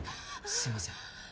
すみません。